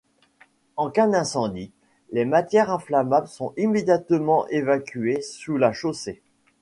En cas d'incendie, les matières inflammables sont immédiatement évacuées sous la chaussée.